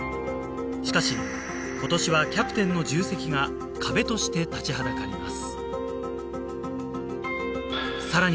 しかし今年はキャプテンの重責が壁として立ちはだかります